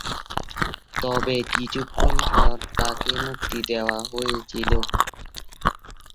তবে কিছুক্ষণ পর তাকে মুক্তি দেওয়া হয়েছিল।